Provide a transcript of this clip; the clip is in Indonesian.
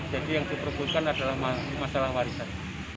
jadi yang diperbutkan adalah masalah warisan